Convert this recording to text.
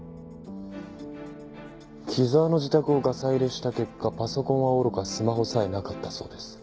木沢の自宅をガサ入れした結果パソコンはおろかスマホさえなかったそうです。